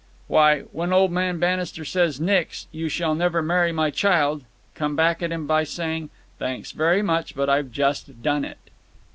"Why, when old man Bannister says: 'Nix! You shall never marry my child!' come back at him by saying: 'Thanks very much, but I've just done it!